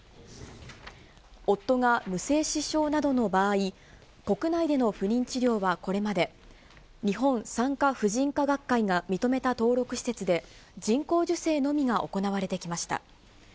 夫が無精子症などの場合、国内での不妊治療はこれまで、日本産科婦人科学会が認めた登録施設で、人工授精のみが行われてきました。